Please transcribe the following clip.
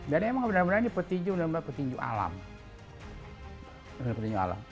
dan memang benar benar ini petinju benar benar petinju alam